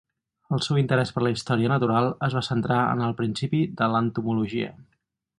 El seu interès per la història natural es va centrar en el principi de l'entomologia.